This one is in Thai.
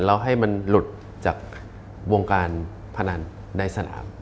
แล้วให้มันหลุดจากวงการพนันในสนาม